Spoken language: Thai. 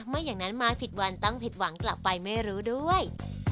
ไม่อย่างนั้นมาผิดวันต้องผิดหวังกลับไปไม่รู้ด้วย